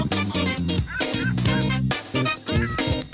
โปรดติดตามตอนต่อไป